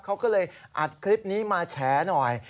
เขาก็เลยอัดคลิปนี้มาแฉหน่อย